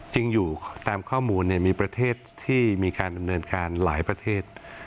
จริงอยู่ตามข้อมูลมีประเทศที่มีการดำเนินการหลายประเทศ